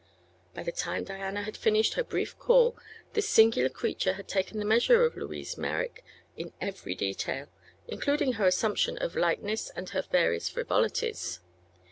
By the time Diana had finished her brief call this singular creature had taken the measure of Louise Merrick in every detail, including her assumption of lightness and her various frivolities.